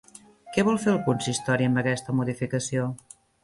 Què vol fer el consistori amb aquesta modificació?